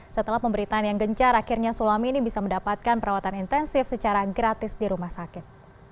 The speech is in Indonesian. setelah pemberitaan yang gencar akhirnya sulami ini bisa mendapatkan perawatan intensif secara gratis di rumah sakit